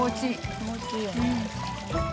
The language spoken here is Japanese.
気持ちいいよね。